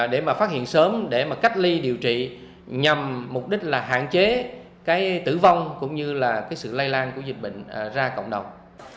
để phát hiện sớm để cách ly điều trị nhằm mục đích là hạn chế tử vong cũng như sự lây lan của dịch bệnh ra cộng đồng